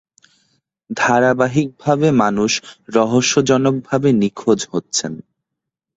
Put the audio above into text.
ধারাবাহিকভাবে মানুষ রহস্যজনকভাবে নিখোঁজ হচ্ছেন।